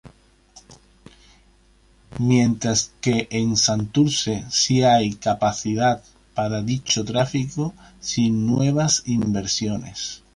Mientras que en Santurce si hay capacidad para dicho tráfico sin nuevas inversiones.